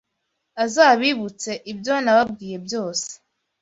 azabibutse ibyo nababwiye byose